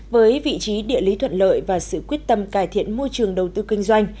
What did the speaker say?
với vị trí địa lý thuận lợi và sự quyết tâm cải thiện môi trường đầu tư kinh doanh